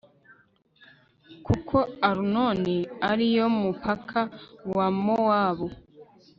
kuko arunoni ari yo mupaka wa mowabu